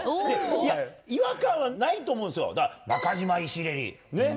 いや違和感はないと思うんですよ。